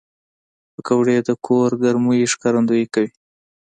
پکورې د کور ګرمۍ ښکارندويي کوي